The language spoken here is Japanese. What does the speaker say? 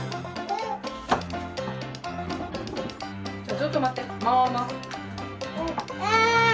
ちょっと待ってもも！